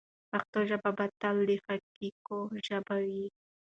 پښتو ژبه به تل د حقایقو ژبه وي.